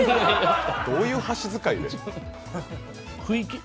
どういう箸使いで。